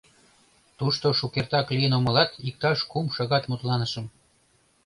Тушто шукертак лийын омылат, иктаж кум шагат мутланышым.